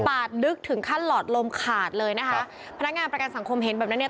ลึกถึงขั้นหลอดลมขาดเลยนะคะพนักงานประกันสังคมเห็นแบบนั้นเนี่ย